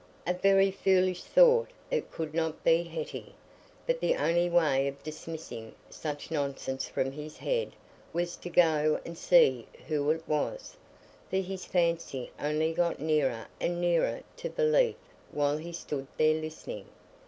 A very foolish thought—it could not be Hetty; but the only way of dismissing such nonsense from his head was to go and see who it was, for his fancy only got nearer and nearer to belief while he stood there listening.